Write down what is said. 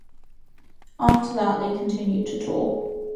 After that, they continued to tour.